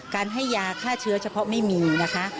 การให้ยาฆ่าเชื้อเฉพาะไม่มีนะคะ